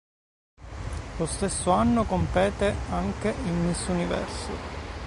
Lo stesso anno compete anche in Miss Universo.